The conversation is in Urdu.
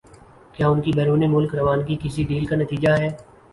کیا ان کی بیرون ملک روانگی کسی ڈیل کا نتیجہ ہے؟